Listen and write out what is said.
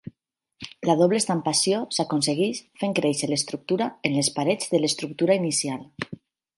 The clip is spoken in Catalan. La doble estampació s'aconsegueix fent créixer l'estructura en les parets de l'estructura inicial.